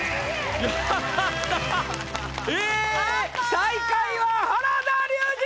最下位は原田龍二！